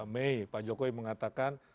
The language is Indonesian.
may pak jokowi mengatakan